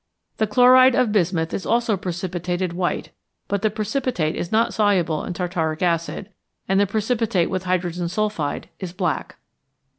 The chloride of bismuth is also precipitated white, but the precipitate is not soluble in tartaric acid, and the precipitate with hydrogen sulphide is black.